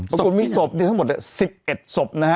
ปรากฏว่ามีศพนี้ทั้งหมดแต่๑๑ศพ